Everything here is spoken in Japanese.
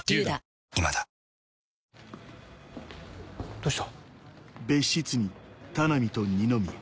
どうした？